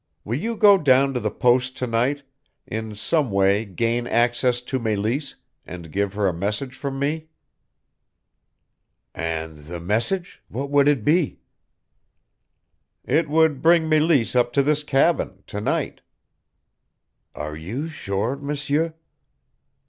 Will you go down to the post to night, in some way gain access to Meleese, and give her a message from me?" "And the message what would it be?" "It would bring Meleese up to this cabin to night." "Are you sure, M'seur?"